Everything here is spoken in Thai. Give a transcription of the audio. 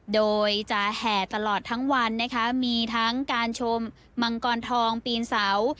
โดยจะแห่ตลอดทั้งวันนะคะมีทั้งการชมมังกรทองปีนเสา